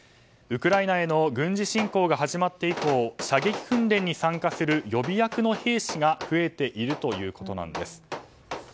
ウクライナへの軍事侵攻が始まって以降射撃訓練に参加する予備役の兵士が増えているということなんです。